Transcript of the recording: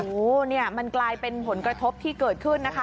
โอ้โหเนี่ยมันกลายเป็นผลกระทบที่เกิดขึ้นนะคะ